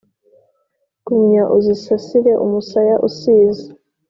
gumya uzisasire umusaya usize